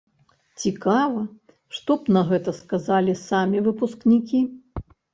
Цікава, што б на гэта сказалі самі выпускнікі?